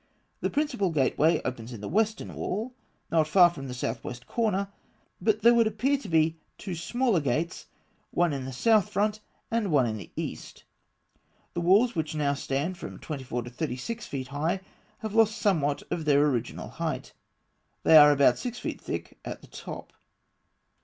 The principal gateway opens in the western wall, not far from the northwest corner: but there would appear to have been two smaller gates, one in the south front, and one in the east. The walls, which now stand from twenty four to thirty six feet high, have lost somewhat of their original height. They are about six feet thick at the top.